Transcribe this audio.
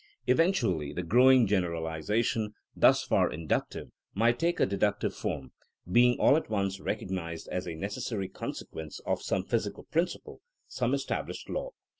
Eventually the growing generalization, thus far inductive, might take a deductive form: being all at once recognized as a necessary consequence of some physical principle — some established law.